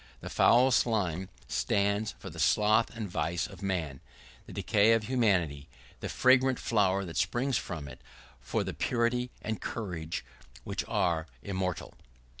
The foul slime stands for the sloth and vice of man, the decay of humanity; the fragrant flower that springs from it, for the purity and courage which are immortal.